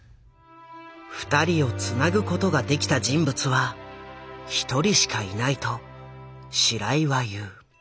二人をつなぐことができた人物は一人しかいないと白井は言う。